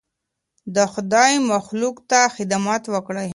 د خدای مخلوق ته خدمت وکړئ.